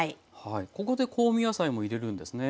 ここで香味野菜も入れるんですね。